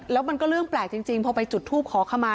แล้วมันก็เรื่องแปลกจริงพอไปจุดทูปขอขมา